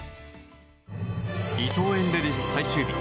伊藤園レディス最終日。